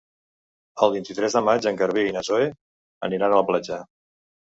El vint-i-tres de maig en Garbí i na Zoè aniran a la platja.